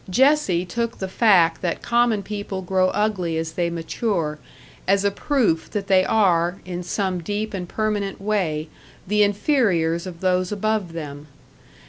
Jessie took the fact that common people grow ugly as they mature as a proof that they are, in some deep and permanent way, the inferiors of those above them.